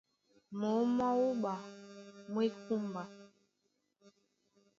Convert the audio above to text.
Mǒm mwá wúɓa mú e kúmba.